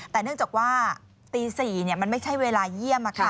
แต่เนื่องจากว่าตี๔มันไม่ใช่เวลาเยี่ยม